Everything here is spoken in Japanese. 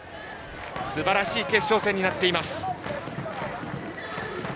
すばらしい決勝戦になっています。